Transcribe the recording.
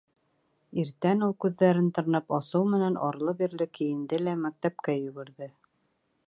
Иртән ул күҙҙәрен тырнап асыу менән, арлы-бирле кейенде лә мәктәпкә йүгерҙе.